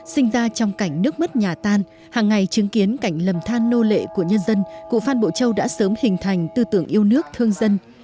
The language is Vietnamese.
sinh ra trong cảnh nước mất nhà tan hàng ngày chứng kiến cảnh lầm than nô lệ của nhân dân cụ phan bộ châu đã sớm hình thành tư tưởng yêu nước thương dân